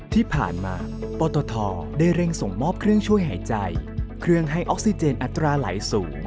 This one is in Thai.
ที่ผ่านมาปตทได้เร่งส่งมอบเครื่องช่วยหายใจเครื่องให้ออกซิเจนอัตราไหลสูง